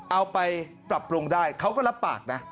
เอาไปปรับปรุงได้เขาก็รับปากนะ